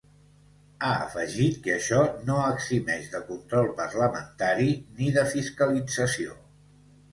Ha afegit que això ‘no eximeix de control parlamentari ni de fiscalització’.